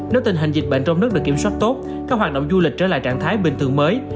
nếu tình hình dịch bệnh trong nước được kiểm soát tốt các hoạt động du lịch trở lại trạng thái bình thường mới